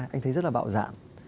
anh thấy rất là bạo dạng